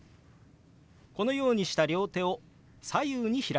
このようにした両手を左右に開きます。